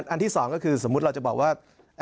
อันที่๒ก็คือสมมุติเราจะบอกว่า